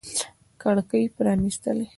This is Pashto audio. کړکۍ پرانیستلي